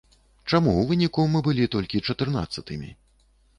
Чаму ў выніку мы былі толькі чатырнаццатымі?